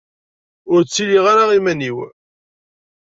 Ur ttiliɣ ara iman-iw.